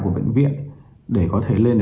của bệnh viện để có thể lên